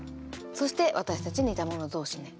そして「私たち似たもの同士ね」。